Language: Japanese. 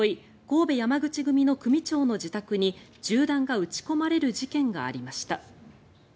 神戸山口組の組長の自宅に銃弾が撃ち込まれる事件がありました。